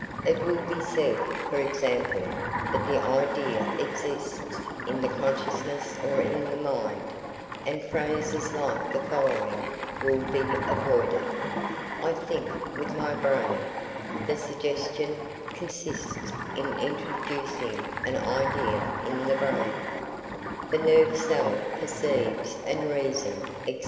It will be said, for example, that the idea exists in the consciousness or in the mind, and phrases like the following will be avoided: "I think with my brain" the suggestion consists in introducing an idea in the brain "The nerve cell perceives and reasons, &c."